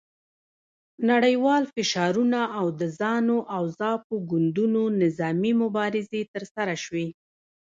نړیوال فشارونه او د زانو او زاپو ګوندونو نظامي مبارزې ترسره شوې.